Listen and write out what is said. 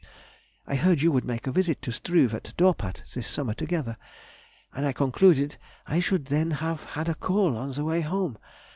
I heard you would make a visit to Struve at Dorpat this summer together, and I concluded I should then have had a call on the way home.